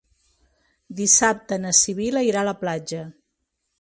Dissabte na Sibil·la irà a la platja.